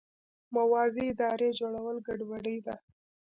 موازي ادارې جوړول ګډوډي ده.